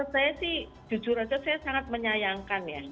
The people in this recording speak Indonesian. saya sih jujur saja saya sangat menyayangkan ya